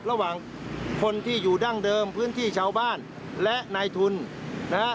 ระหว่างคนที่อยู่ดั้งเดิมพื้นที่ชาวบ้านและนายทุนนะฮะ